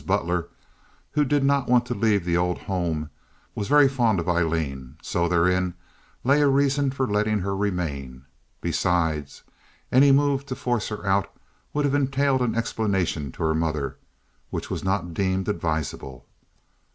Butler, who did not want to leave the old home, was very fond of Aileen, so therein lay a reason for letting her remain. Besides, any move to force her out would have entailed an explanation to her mother, which was not deemed advisable.